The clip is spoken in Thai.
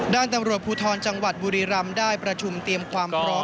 ตำรวจภูทรจังหวัดบุรีรำได้ประชุมเตรียมความพร้อม